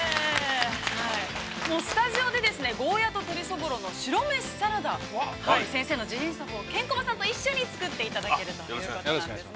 スタジオでゴーヤと鶏そぼろの白飯サラダ、先生の自信作をケンコバさんと一緒に作っていただけるということなんですね。